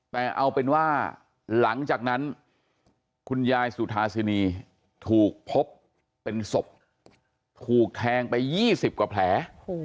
แต่เอาเป็นว่าหลังจากนั้นคุณยายสุธาสินีถูกพบเป็นศพถูกแทงไป๒๐กว่าแผล